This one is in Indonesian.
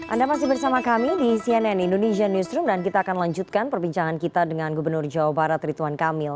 anda masih bersama kami di cnn indonesia newsroom dan kita akan lanjutkan perbincangan kita dengan gubernur jawa barat rituan kamil